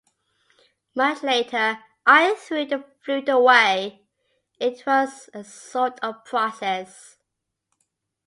Much later I threw the flute away; it was a sort of process.